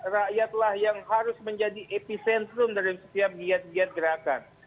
rakyatlah yang harus menjadi epicentrum dari setiap giat giat gerakan